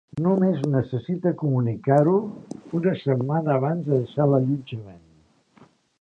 Només necessita comunicar-ho una setmana abans de deixar l'allotjament.